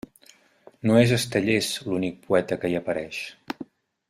No és Estellés l'únic poeta que hi apareix.